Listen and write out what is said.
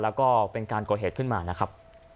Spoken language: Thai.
แล้วก็เป็นการก่อเหตุขึ้นมานะครับ